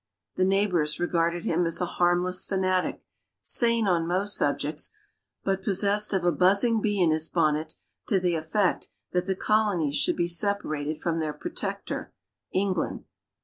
The neighbors regarded him as a harmless fanatic, sane on most subjects, but possessed of a buzzing bee in his bonnet to the effect that the Colonies should be separated from their protector, England.